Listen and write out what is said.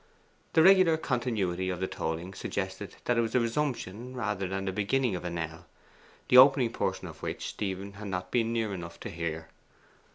The regular continuity of the tolling suggested that it was the resumption rather than the beginning of a knell the opening portion of which Stephen had not been near enough to hear.